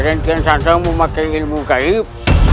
mungkin saya kian satang memakai ilmu gaib